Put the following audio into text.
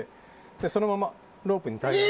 そのままロープに体重を。